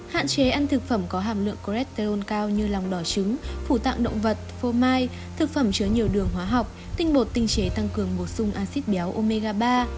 hạn chế ăn thực phẩm có hàm lượng cholesterol cao như lòng đỏ trứng phủ tạng động vật phô mai thực phẩm chứa nhiều đường hóa học tinh bột tinh chế tăng cường bổ sung acid béo omega ba